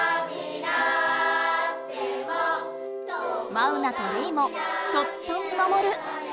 マウナとレイもそっと見まもる。